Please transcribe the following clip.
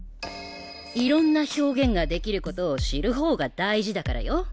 いろんな表現ができることを知る方が大事だからよ。